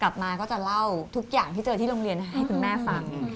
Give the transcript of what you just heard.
กลับมาก็จะเล่าทุกอย่างที่เจอที่โรงเรียนให้คุณแม่ฟัง